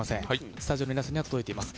スタジオの皆さんには届いています。